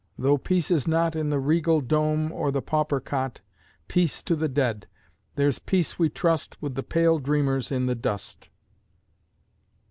though peace is not In the regal dome or the pauper cot; Peace to the dead! there's peace, we trust, With the pale dreamers in the dust.